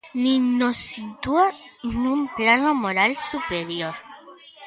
Nin nos sitúa nun plano moral superior.